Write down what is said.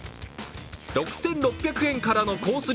６６００円からのコース